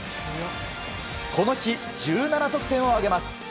この日、１７得点を挙げます。